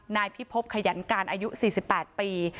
นายพิพบขยันการอายุ๔๘ปี